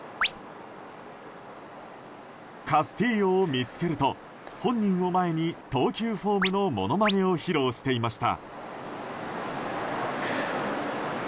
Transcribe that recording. カスティーヨを見つけると本人を前に投球フォームのものまねを披露していました。